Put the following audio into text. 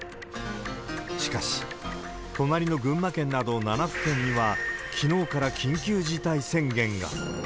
しかし、隣の群馬県など７府県には、きのうから緊急事態宣言が。